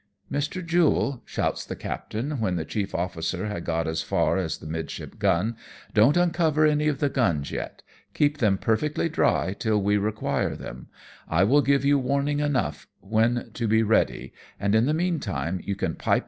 " Mr. Jule," shouts the captain, when the chief officer had got as far as the midship gun, "don't uncover any of the guns yet ; keep them perfectly dry till we require them — I will give you warning enough when to be ready, and in the meantime you can pipe I 2 ii6 AMONG TYPHOONS AND PIRATE CRAFT.